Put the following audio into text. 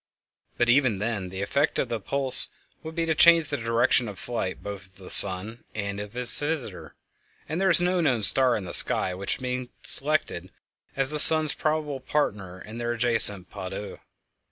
But even then the effect of the appulse would be to change the direction of flight, both of the sun and of its visitor, and there is no known star in the sky which can be selected as the sun's probable partner in their ancient _pas deux.